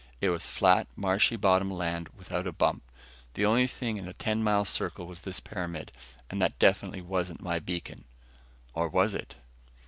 It was flat, marshy bottom land without a bump. The only thing in a ten mile circle was this pyramid and that definitely wasn't my beacon. Or wasn't it?